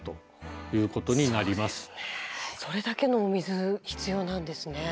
それだけのお水必要なんですね。